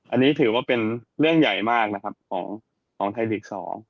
อันนี้ถือว่าเป็นเรื่องใหญ่มากของไทยศีล๒